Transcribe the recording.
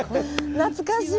懐かしい。